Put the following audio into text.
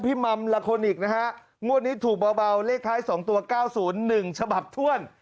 มัมลาโคนิคนะฮะงวดนี้ถูกเบาเลขท้าย๒ตัว๙๐๑ฉบับถ้วน